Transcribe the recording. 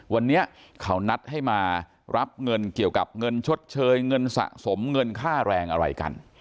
วันนี้เขานัดให้มารับเงินเกี่ยวกับเงินชดเชยเงินสะสมเงินค่าแรงอะไรกัน